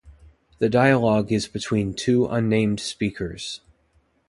The dialogue is between two unnamed speakers.